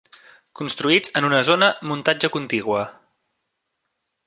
Construïts en una zona muntatge contigua.